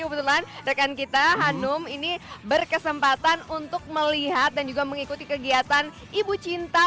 kebetulan rekan kita hanum ini berkesempatan untuk melihat dan juga mengikuti kegiatan ibu cinta